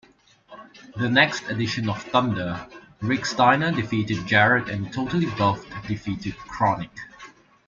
The next edition of Thunder, Rick Steiner defeated Jarrett and Totally Buffed defeated KroniK.